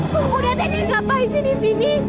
kau udah teh teh ngapain sih di sini